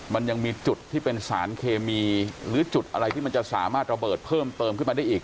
มันยังมีจุดที่เป็นสารเคมีหรือจุดอะไรที่มันจะสามารถระเบิดเพิ่มเติมขึ้นมาได้อีก